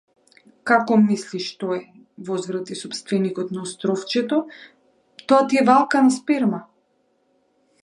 Како мислиш што е, возврати сопственикот на островчето, тоа ти е валкана сперма.